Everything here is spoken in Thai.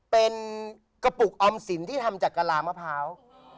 เป็นกระปุกออมสินที่ทำจากกะลามะพร้าว